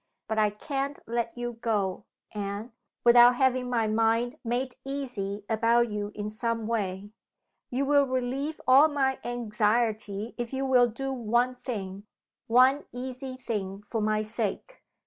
But I can't let you go, Anne, without having my mind made easy about you in some way. You will relieve all my anxiety, if you will do one thing one easy thing for my sake."